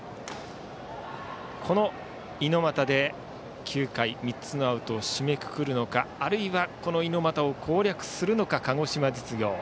この猪俣で９回３つのアウトを締めくくるのかあるいは猪俣を攻略するのか鹿児島実業。